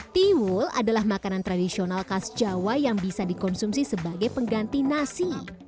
tiwul adalah makanan tradisional khas jawa yang bisa dikonsumsi sebagai pengganti nasi